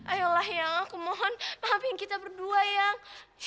ayolah eang aku mohon maafin kita berdua eang